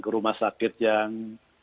ke rumah sakit yang